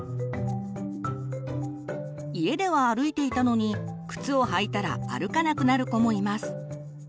家では歩いていたのに靴を履いたら歩かなくなる子もいます。